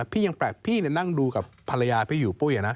พี่ยังแปลกพี่นั่งดูกับภรรยาพี่อยู่ปุ้ย